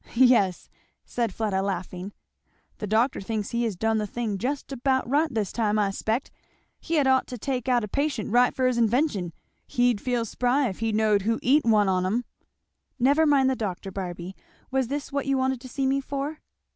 "Yes," said Fleda laughing. "The doctor thinks he has done the thing just about right this time, I s'pect. He had ought to take out a patent right for his invention. He'd feel spry if he knowed who eat one on 'em." "Never mind the doctor, Barby. Was this what you wanted to see me for?"